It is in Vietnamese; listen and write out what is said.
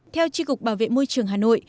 theo tri cục bảo vệ môi trường hà nội